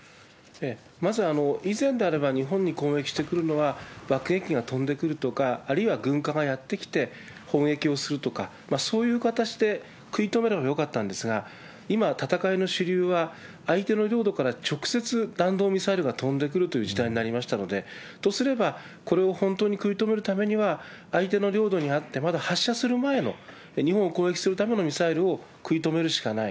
まず、以前であれば、日本に攻撃してくるのは、爆撃機が飛んでくるとか、あるいは軍艦がやって来て砲撃をするとか、そういう形で食い止めればよかったんですが、今、戦いの主流は、相手の領土から直接弾道ミサイルが飛んでくるという時代になりましたので、とすれば、これを本当に食い止めるためには、相手の領土にあって、まだ発射する前の、日本を攻撃するためのミサイルを食い止めるしかない。